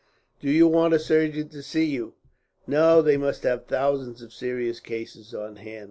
"Do you want a surgeon to see you?" "No, they must have thousands of serious cases on hand.